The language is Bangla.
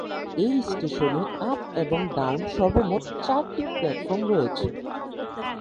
এই স্টেশনে আপ এবং ডাউন সর্বমোট চারটি প্ল্যাটফর্ম রয়েছে।